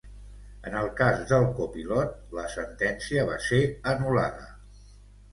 En el cas del copilot la sentència va ser anul·lada.